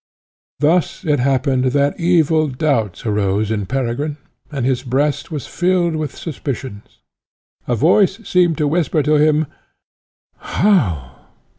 Thus it happened that evil doubts arose in Peregrine, and his breast was filled with suspicions. A voice seemed to whisper to him, "How!